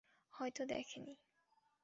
হয়তো দেখে নি।